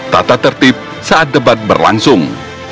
tata tertib saat debat berlangsung